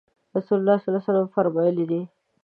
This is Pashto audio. رسول الله صلی الله علیه وسلم فرمایلي دي